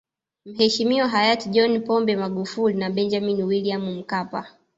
Mheshimiwa hayati John Pombe Magufuli na Benjamin William Mkapa